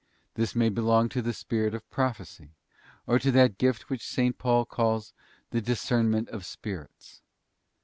This may belong to the spirit of Prophecy, or to that gift which S. Paul calls 'the discern ing of spirits.